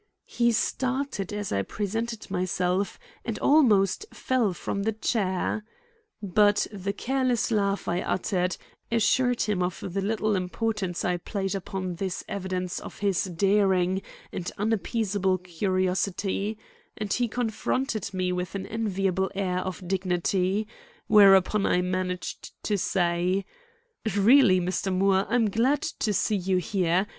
He started as I presented myself and almost fell from the chair. But the careless laugh I uttered assured him of the little importance I placed upon this evidence of his daring and unappeasable curiosity, and he confronted me with an enviable air of dignity; whereupon I managed to say: "Really, Mr. Moore, I'm glad to see you here.